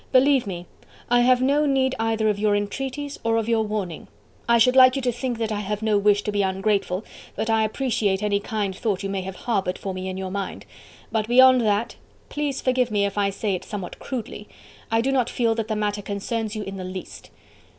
"Believe me, I have no need either of your entreaties or of your warning.... I should like you to think that I have no wish to be ungrateful... that I appreciate any kind thought you may have harboured for me in your mind.... But beyond that... please forgive me if I say it somewhat crudely I do not feel that the matter concerns you in the least....